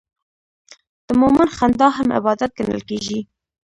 د مؤمن خندا هم عبادت ګڼل کېږي.